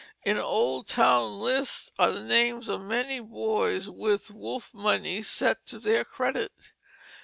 In old town lists are the names of many boys with "wolf money set to their credit."